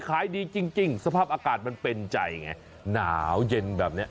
ขายดีจริงสภาพอากาศมันเป็นใจไงหนาวเย็นแบบนี้